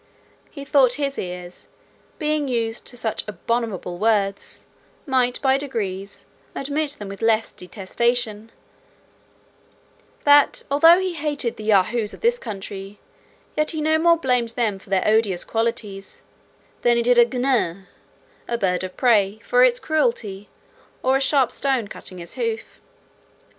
He thought his ears, being used to such abominable words, might, by degrees, admit them with less detestation: that although he hated the Yahoos of this country, yet he no more blamed them for their odious qualities, than he did a gnnayh (a bird of prey) for its cruelty, or a sharp stone for cutting his hoof.